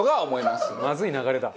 まずい流れだ。